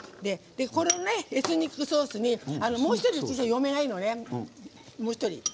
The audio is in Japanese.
このエスニックソースにもう１人、うちに嫁がいるのね。